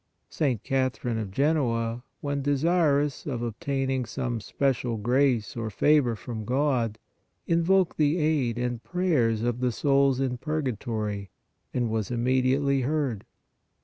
St. Catha rine of Genoa, when desirous of obtaining some spe cial grace or favor from God, invoked the aid and prayers of the souls in purgatory and was immedi ately heard.